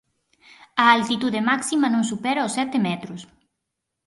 A altitude máxima non supera os sete metros.